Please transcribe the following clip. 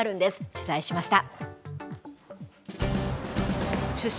取材しました。